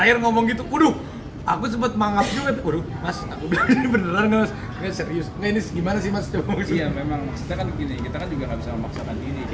iya memang maksudnya kan begini kita kan juga gak bisa memaksakan diri